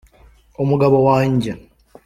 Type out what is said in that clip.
umugabo wanjye